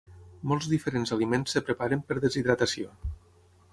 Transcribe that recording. Molts diferents aliments es preparen per deshidratació.